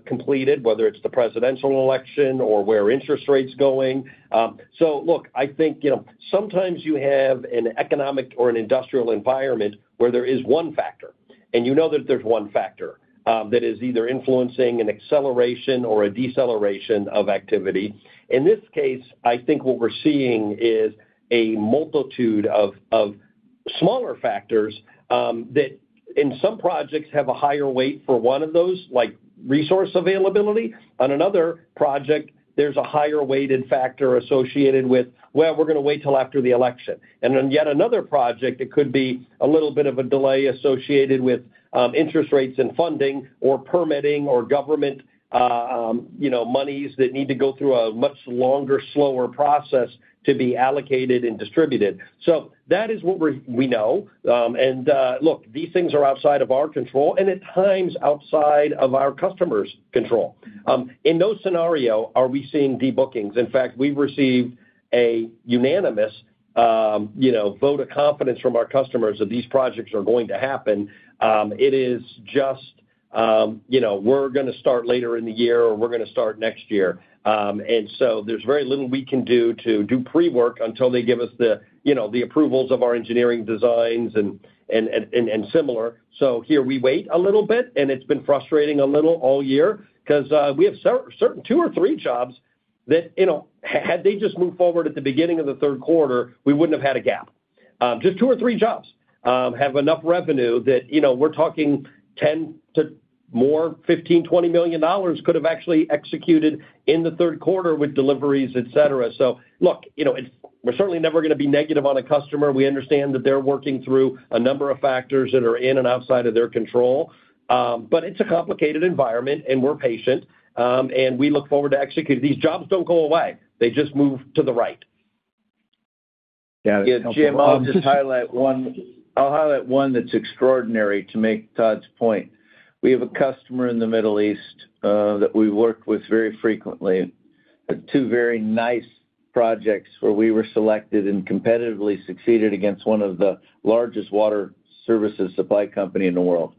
completed, whether it's the presidential election or where interest rates are going. So look, I think sometimes you have an economic or an industrial environment where there is one factor, and you know that there's one factor that is either influencing an acceleration or a deceleration of activity. In this case, I think what we're seeing is a multitude of smaller factors that in some projects have a higher weight for one of those, like resource availability. On another project, there's a higher weighted factor associated with, "Well, we're going to wait till after the election." And on yet another project, it could be a little bit of a delay associated with interest rates and funding or permitting or government monies that need to go through a much longer, slower process to be allocated and distributed. So that is what we know. And look, these things are outside of our control and at times outside of our customers' control. In no scenario are we seeing debookings. In fact, we've received a unanimous vote of confidence from our customers that these projects are going to happen. It is just, "We're going to start later in the year," or, "We're going to start next year." And so there's very little we can do to do pre-work until they give us the approvals of our engineering designs and similar. So here we wait a little bit, and it's been frustrating a little all year because we have certain two or three jobs that had they just moved forward at the beginning of the third quarter, we wouldn't have had a gap. Just two or three jobs have enough revenue that we're talking $10 to more $15-$20 million could have actually executed in the third quarter with deliveries, etc. So look, we're certainly never going to be negative on a customer. We understand that they're working through a number of factors that are in and outside of their control. But it's a complicated environment, and we're patient, and we look forward to executing. These jobs don't go away. They just move to the right. Yeah. Jim. I'll just highlight one that's extraordinary to make Todd's point. We have a customer in the Middle East that we've worked with very frequently. Two very nice projects where we were selected and competitively succeeded against one of the largest water services supply companies in the world.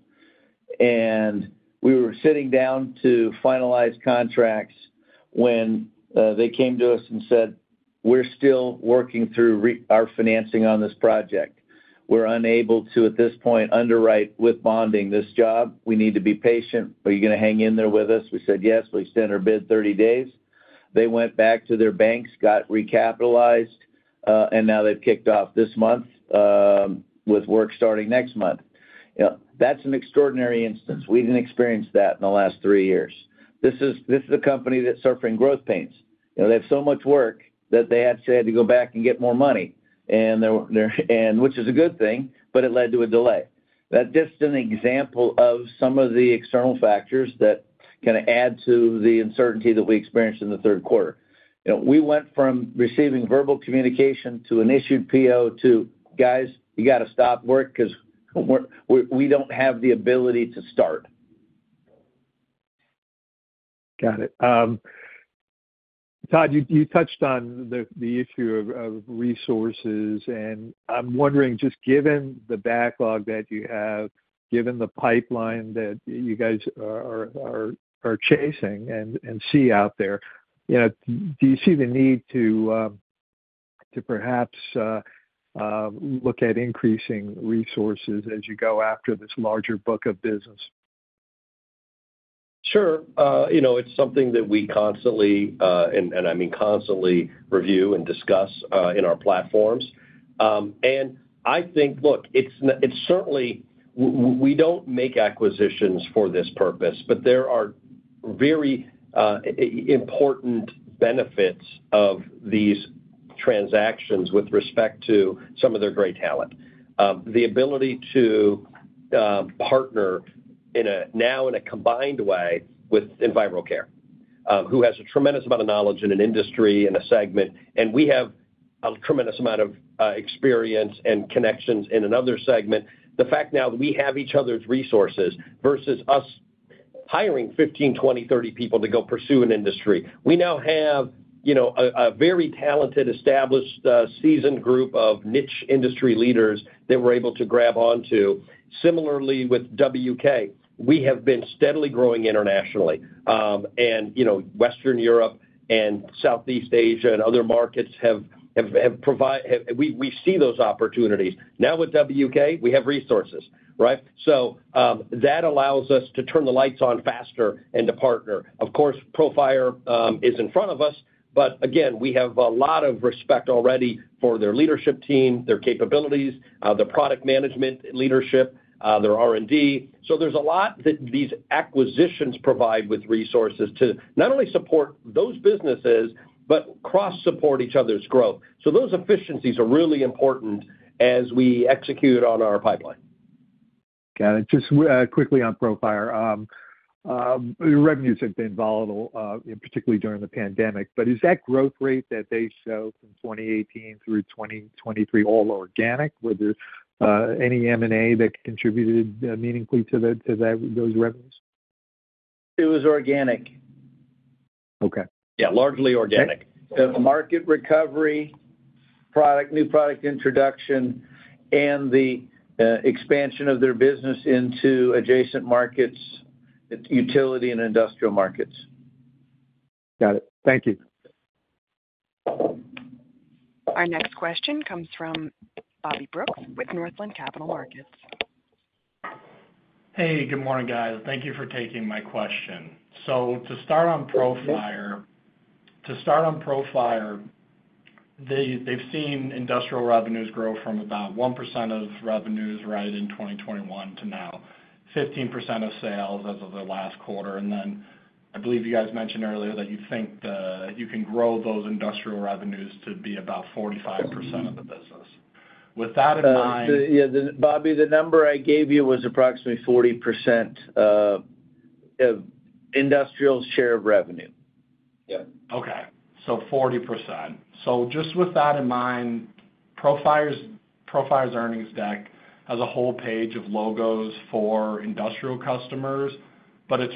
And we were sitting down to finalize contracts when they came to us and said, "We're still working through our financing on this project. We're unable to, at this point, underwrite with bonding this job. We need to be patient. Are you going to hang in there with us?" We said, "Yes. We'll extend our bid 30 days." They went back to their banks, got recapitalized, and now they've kicked off this month with work starting next month. That's an extraordinary instance. We didn't experience that in the last three years. This is a company that's suffering growth pains. They have so much work that they actually had to go back and get more money, which is a good thing, but it led to a delay. That's just an example of some of the external factors that kind of add to the uncertainty that we experienced in the third quarter. We went from receiving verbal communication to an issued PO to, "Guys, you got to stop work because we don't have the ability to start. Got it. Todd, you touched on the issue of resources, and I'm wondering, just given the backlog that you have, given the pipeline that you guys are chasing and see out there, do you see the need to perhaps look at increasing resources as you go after this larger book of business? Sure. It's something that we constantly, and I mean constantly, review and discuss in our platforms. And I think, look, it's certainly we don't make acquisitions for this purpose, but there are very important benefits of these transactions with respect to some of their great talent. The ability to partner now in a combined way with EnviroCare, who has a tremendous amount of knowledge in an industry and a segment, and we have a tremendous amount of experience and connections in another segment. The fact now that we have each other's resources versus us hiring 15, 20, 30 people to go pursue an industry. We now have a very talented, established, seasoned group of niche industry leaders that we're able to grab onto. Similarly, with WK, we have been steadily growing internationally. And Western Europe and Southeast Asia and other markets have provided. We see those opportunities. Now with WK, we have resources, right? So that allows us to turn the lights on faster and to partner. Of course, Profire is in front of us, but again, we have a lot of respect already for their leadership team, their capabilities, their product management leadership, their R&D. So there's a lot that these acquisitions provide with resources to not only support those businesses, but cross-support each other's growth. So those efficiencies are really important as we execute on our pipeline. Got it. Just quickly on Profire. Revenues have been volatile, particularly during the pandemic. But is that growth rate that they show from 2018 through 2023 all organic? Were there any M&A that contributed meaningfully to those revenues? It was organic. Okay. Yeah. Largely organic. Market recovery, new product introduction, and the expansion of their business into adjacent markets, utility, and industrial markets. Got it. Thank you. Our next question comes from Bobby Brooks with Northland Capital Markets. Hey, good morning, guys. Thank you for taking my question. So to start on Profire, they've seen industrial revenues grow from about 1% of revenues right in 2021 to now, 15% of sales as of the last quarter. And then I believe you guys mentioned earlier that you think you can grow those industrial revenues to be about 45% of the business. With that in mind. Yeah. Bobby, the number I gave you was approximately 40% of industrial share of revenue. Yeah. Okay. So 40%. So just with that in mind, Profire's earnings deck has a whole page of logos for industrial customers, but it's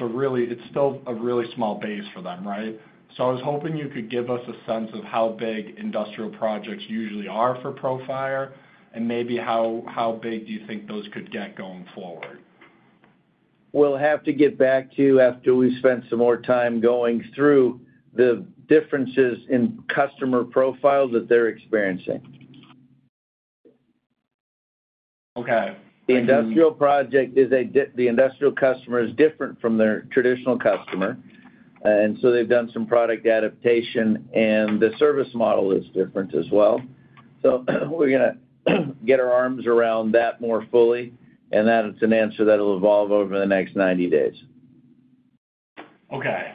still a really small base for them, right? So I was hoping you could give us a sense of how big industrial projects usually are for Profire and maybe how big do you think those could get going forward? We'll have to get back to after we've spent some more time going through the differences in customer profiles that they're experiencing. Okay. The industrial project is. The industrial customer is different from their traditional customer, and so they've done some product adaptation, and the service model is different as well, so we're going to get our arms around that more fully, and that's an answer that will evolve over the next 90 days. Okay.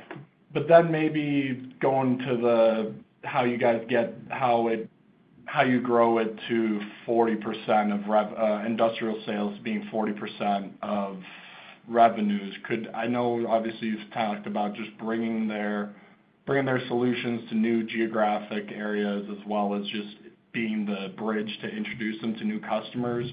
But then maybe going to how you guys get how you grow it to 40% of industrial sales being 40% of revenues. I know, obviously, you've talked about just bringing their solutions to new geographic areas as well as just being the bridge to introduce them to new customers.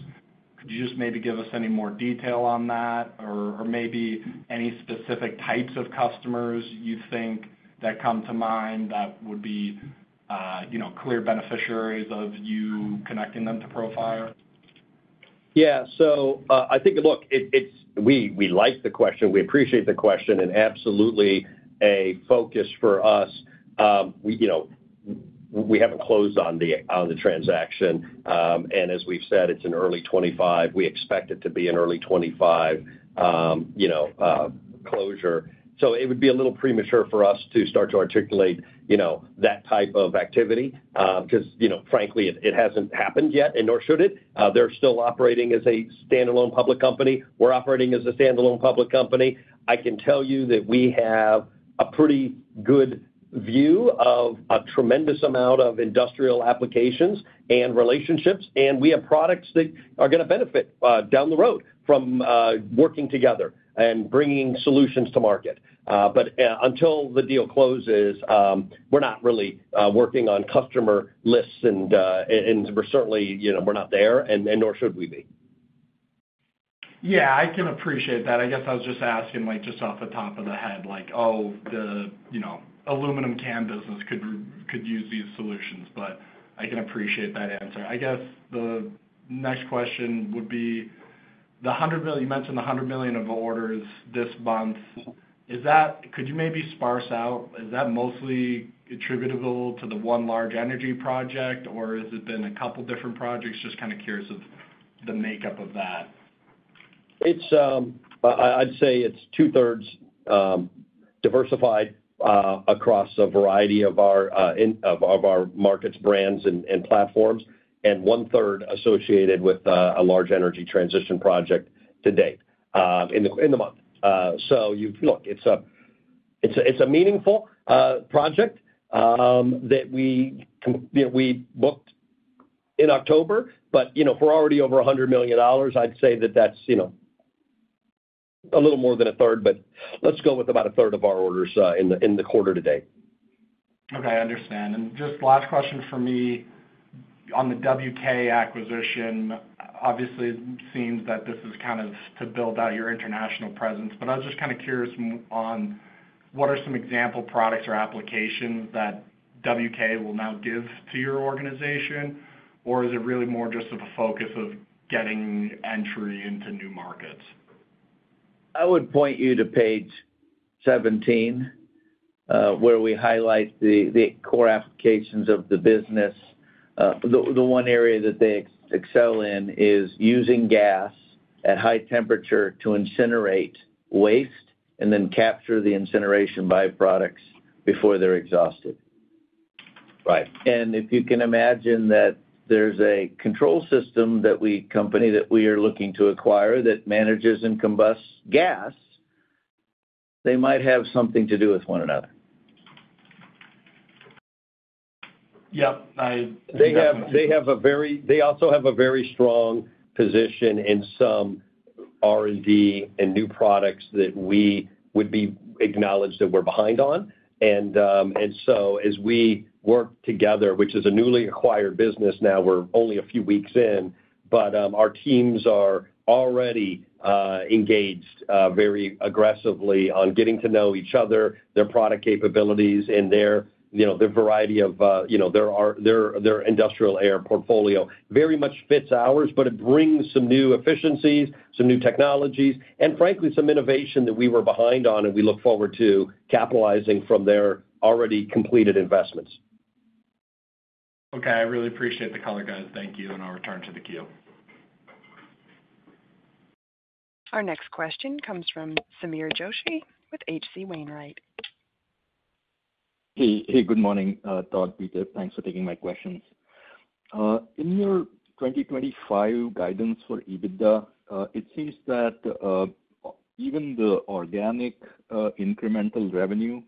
Could you just maybe give us any more detail on that, or maybe any specific types of customers you think that come to mind that would be clear beneficiaries of you connecting them to Profire? Yeah. So I think, look, we like the question. We appreciate the question and absolutely a focus for us. We haven't closed on the transaction. And as we've said, it's an early 2025. We expect it to be an early 2025 closure. So it would be a little premature for us to start to articulate that type of activity because, frankly, it hasn't happened yet, and nor should it. They're still operating as a standalone public company. We're operating as a standalone public company. I can tell you that we have a pretty good view of a tremendous amount of industrial applications and relationships, and we have products that are going to benefit down the road from working together and bringing solutions to market. But until the deal closes, we're not really working on customer lists, and we're certainly not there, and nor should we be. Yeah. I can appreciate that. I guess I was just asking just off the top of the head, like, "Oh, the aluminum can business could use these solutions," but I can appreciate that answer. I guess the next question would be the $100 million. You mentioned the $100 million of orders this month. Could you maybe parse out? Is that mostly attributable to the one large energy project, or has it been a couple of different projects? Just kind of curious of the makeup of that. I'd say it's two-thirds diversified across a variety of our markets, brands, and platforms, and one-third associated with a large energy transition project to date in the month. So look, it's a meaningful project that we booked in October, but for already over $100 million, I'd say that that's a little more than a third, but let's go with about a third of our orders in the quarter to date. Okay. I understand and just last question for me on the WK acquisition. Obviously, it seems that this is kind of to build out your international presence, but I was just kind of curious on what are some example products or applications that WK will now give to your organization, or is it really more just of a focus of getting entry into new markets? I would point you to page 17 where we highlight the core applications of the business. The one area that they excel in is using gas at high temperature to incinerate waste and then capture the incineration byproducts before they're exhausted. Right. And if you can imagine that there's a control system that the company that we are looking to acquire that manages combustion of gas, they might have something to do with one another. Yep. They also have a very strong position in some R&D and new products that we would acknowledge that we're behind on. So as we work together, which is a newly acquired business now, we're only a few weeks in, but our teams are already engaged very aggressively on getting to know each other, their product capabilities, and their variety of their industrial air portfolio very much fits ours, but it brings some new efficiencies, some new technologies, and frankly, some innovation that we were behind on and we look forward to capitalizing from their already completed investments. Okay. I really appreciate the color, guys. Thank you, and I'll return to the queue. Our next question comes from Sameer Joshi with H.C. Wainwright. Hey. Good morning, Todd, Peter. Thanks for taking my questions. In your 2025 guidance for EBITDA, it seems that even the organic incremental revenue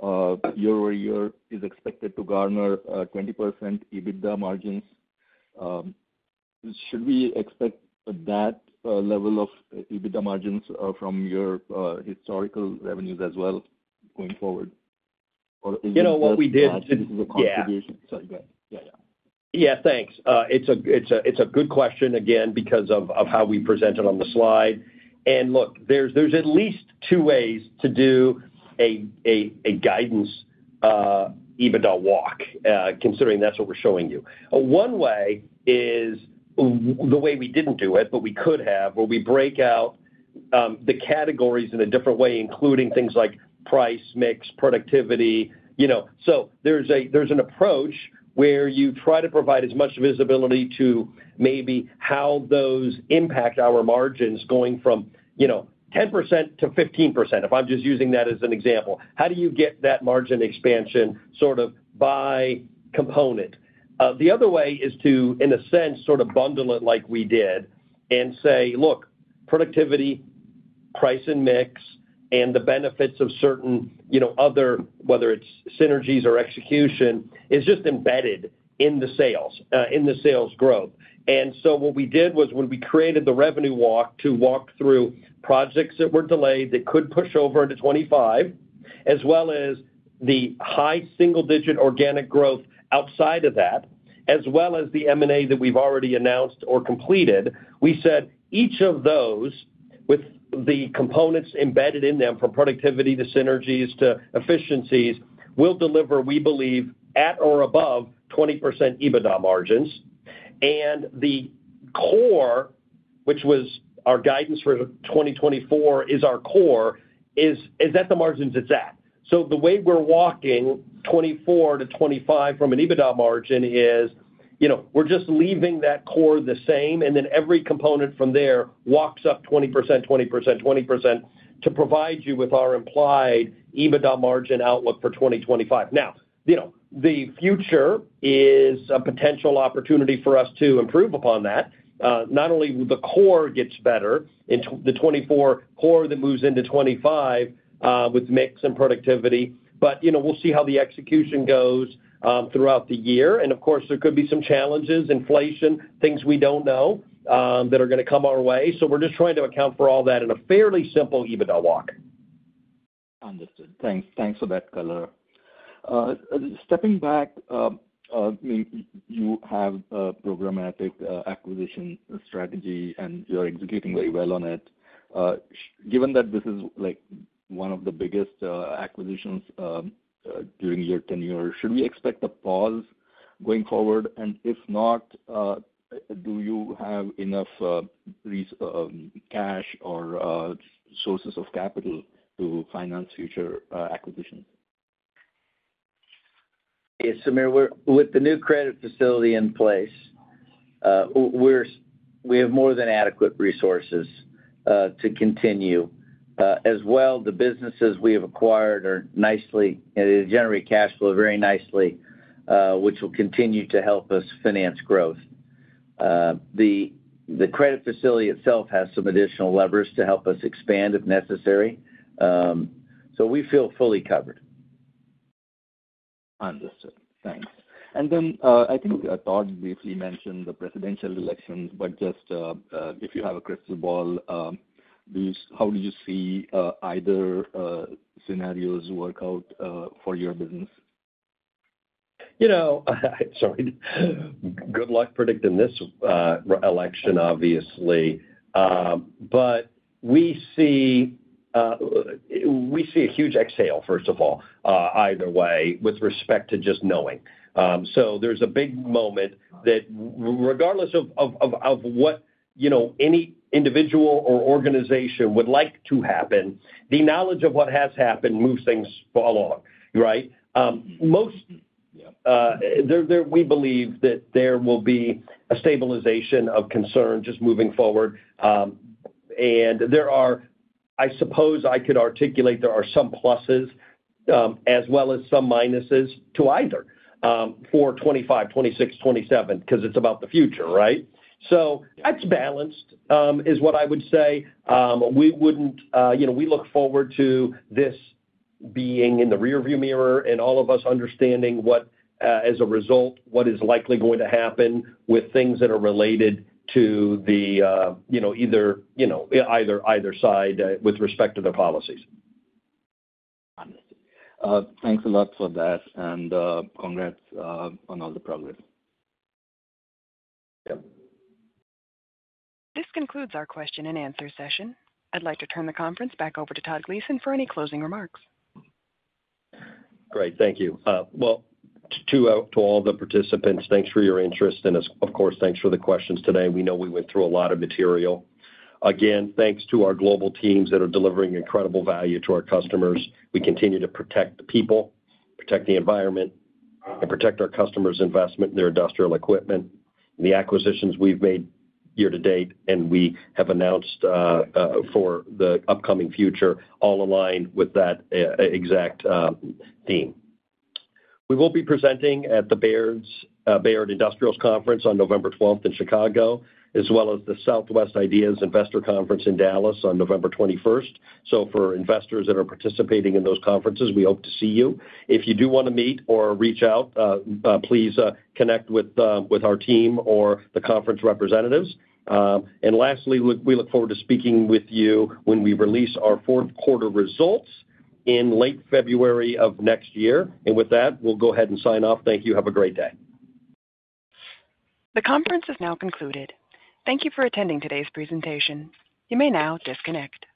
year-over-year is expected to garner 20% EBITDA margins. Should we expect that level of EBITDA margins from your historical revenues as well going forward? Or is it. You know what we did. This is a contribution. Sorry, go ahead. Yeah, yeah. Yeah. Thanks. It's a good question again because of how we present it on the slide, and look, there's at least two ways to do a guidance EBITDA walk, considering that's what we're showing you. One way is the way we didn't do it, but we could have, where we break out the categories in a different way, including things like price mix, productivity, so there's an approach where you try to provide as much visibility to maybe how those impact our margins going from 10% to 15%, if I'm just using that as an example. How do you get that margin expansion sort of by component? The other way is to, in a sense, sort of bundle it like we did and say, "Look, productivity, price and mix, and the benefits of certain other, whether it's synergies or execution, is just embedded in the sales, in the sales growth." And so what we did was when we created the revenue walk to walk through projects that were delayed that could push over into 2025, as well as the high single-digit organic growth outside of that, as well as the M&A that we've already announced or completed, we said each of those with the components embedded in them from productivity to synergies to efficiencies will deliver, we believe, at or above 20% EBITDA margins. And the core, which was our guidance for 2024, is our core is at the margins it's at. So the way we're walking 2024 to 2025 from an EBITDA margin is we're just leaving that core the same, and then every component from there walks up 20%, 20%, 20% to provide you with our implied EBITDA margin outlook for 2025. Now, the future is a potential opportunity for us to improve upon that. Not only will the core get better in the 2024 core that moves into 2025 with mix and productivity, but we'll see how the execution goes throughout the year. And of course, there could be some challenges, inflation, things we don't know that are going to come our way. So we're just trying to account for all that in a fairly simple EBITDA walk. Understood. Thanks for that, Todd. Stepping back, I mean, you have a programmatic acquisition strategy, and you're executing very well on it. Given that this is one of the biggest acquisitions during your tenure, should we expect a pause going forward? And if not, do you have enough cash or sources of capital to finance future acquisitions? Yeah. Sameer, with the new credit facility in place, we have more than adequate resources to continue. As well, the businesses we have acquired are nice and generate cash flow very nicely, which will continue to help us finance growth. The credit facility itself has some additional levers to help us expand if necessary. So we feel fully covered. Understood. Thanks. And then I think Todd briefly mentioned the presidential elections, but just if you have a crystal ball, how do you see either scenarios work out for your business? Sorry. Good luck predicting this election, obviously. But we see a huge exhale, first of all, either way, with respect to just knowing. So there's a big moment that regardless of what any individual or organization would like to happen, the knowledge of what has happened moves things along, right? We believe that there will be a stabilization of concern just moving forward. And I suppose I could articulate there are some pluses as well as some minuses to either for 2025, 2026, 2027 because it's about the future, right? So that's balanced is what I would say. We look forward to this being in the rearview mirror and all of us understanding as a result what is likely going to happen with things that are related to either side with respect to their policies. Understood. Thanks a lot for that, and congrats on all the progress. Yep. This concludes our question and answer session. I'd like to turn the conference back over to Todd Gleason for any closing remarks. Great. Thank you. Well, to all the participants, thanks for your interest, and of course, thanks for the questions today. We know we went through a lot of material. Again, thanks to our global teams that are delivering incredible value to our customers. We continue to protect the people, protect the environment, and protect our customers' investment in their industrial equipment. The acquisitions we've made year to date, and we have announced for the upcoming future, all align with that exact theme. We will be presenting at the Baird Industrials Conference on November 12th in Chicago, as well as the Southwest IDEAS Investor Conference in Dallas on November 21st. So for investors that are participating in those conferences, we hope to see you. If you do want to meet or reach out, please connect with our team or the conference representatives. And lastly, we look forward to speaking with you when we release our fourth quarter results in late February of next year. And with that, we'll go ahead and sign off. Thank you. Have a great day. The conference is now concluded. Thank you for attending today's presentation. You may now disconnect.